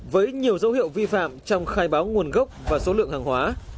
với nhiều dấu hiệu vi phạm trong khai báo nguồn gốc và số lượng hàng hóa